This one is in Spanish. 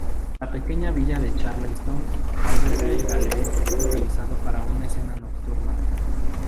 La pequeña villa de Charlestown alberga el galeón utilizado para una escena nocturna.